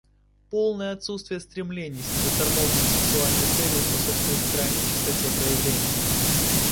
Полное отсутствие стремлений с незаторможенной сексуальной целью способствует крайней чистоте проявлений.